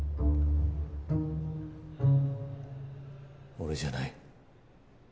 俺じゃない。